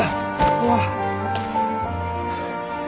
うわっ。